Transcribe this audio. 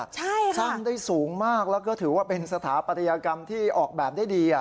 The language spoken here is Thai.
ใช่ค่ะสร้างได้สูงมากแล้วก็ถือว่าเป็นสถาปัตยกรรมที่ออกแบบได้ดี